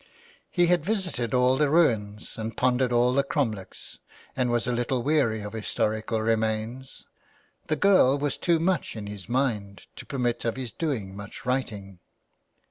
He had visited all the ruins and pondered by all the cromlechs, and was a little weary of historic remains ; the girl was too much in his mind to permit of his doing much writing.